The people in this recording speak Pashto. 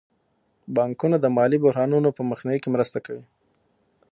بانکونه د مالي بحرانونو په مخنیوي کې مرسته کوي.